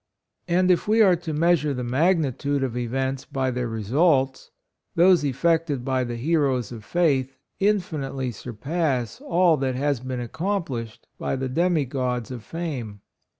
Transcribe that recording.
And, if we are to measure the magnitude of events by their results, those effected by the heroes of faith infinitely surpass all that has been accomplished by the demi gods of fame.